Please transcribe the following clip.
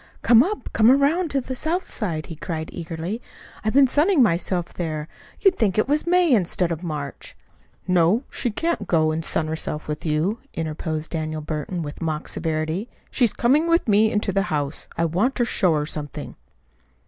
"Come up. Come around on the south side," he cried eagerly. "I've been sunning myself there. You'd think it was May instead of March." "No, she can't go and sun herself with you," interposed Daniel Burton with mock severity. "She's coming with me into the house. I want to show her something."